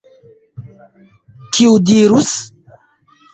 Kiu dirus?